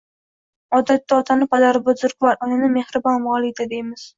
Odatda otani “Padaribuzrukvor”, onani “Mehribon volida” deymiz